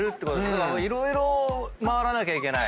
だから色々回らなきゃいけない。